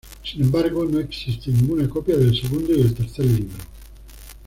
Sin embargo, no existe ninguna copia del segundo y el tercer libro.